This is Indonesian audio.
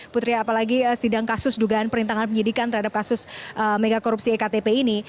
putri apalagi sidang kasus dugaan perintangan penyidikan terhadap kasus megakorupsi ektp ini